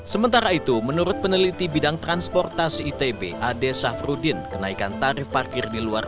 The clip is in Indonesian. sementara itu menurut peneliti bidang transportasi itb ade syafruddin kenaikan tarif parkir di luar